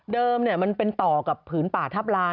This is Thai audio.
มันเป็นต่อกับผืนป่าทัพลาน